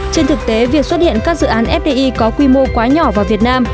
trên thực tế việc xuất hiện các dự án fdi có quy mô quá nhỏ vào việt nam